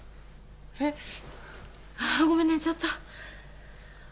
えっああごめん寝ちゃった颯